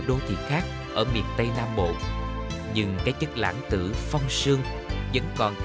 đời thật bình dị